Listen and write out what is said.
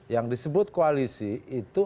yang disebut koalisi itu